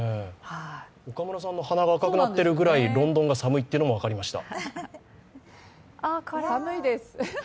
岡村さんの鼻が赤くなってるぐらいロンドンが寒いっていうのも分かりました。